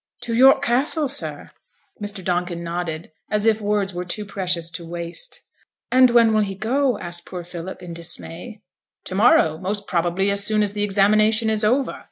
'To York Castle, sir?' Mr. Donkin nodded, as if words were too precious to waste. 'And when will he go?' asked poor Philip, in dismay. 'To morrow: most probably as soon as the examination is over.